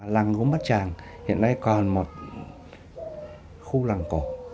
làng gốm bát tràng hiện nay còn một khu làng cổ